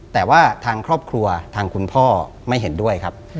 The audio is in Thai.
แต่ว่าทางครอบครัวทางคุณพ่อไม่เห็นด้วยครับ